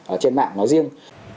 ở trên mạng nói riêng